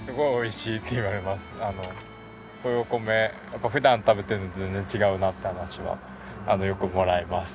やっぱり普段食べてるのと全然違うなって話はよくもらいます。